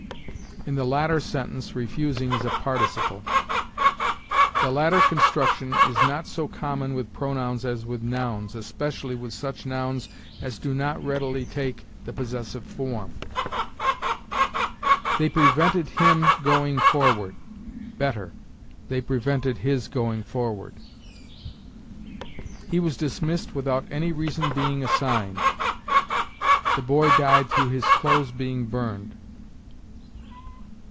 [In the latter sentence refusing is a participle.] The latter construction is not so common with pronouns as with nouns, especially with such nouns as do not readily take the possessive form. 'They prevented him going forward': better, 'They prevented his going forward.' 'He was dismissed without any reason being assigned.' 'The boy died through his clothes being burned.'